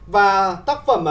và tác phẩm